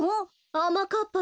あまかっぱ